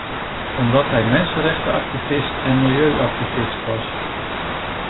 Omdat hij mensenrechtenactivist en milieuactivist was.